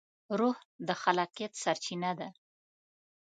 روح د خلاقیت سرچینه ده.